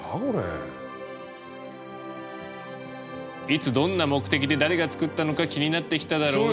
いつどんな目的で誰が作ったのか気になってきただろう？